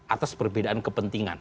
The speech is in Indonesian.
atas perbedaan kepentingan